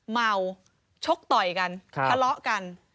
เมาชกต่อยกันทะเลาะกัน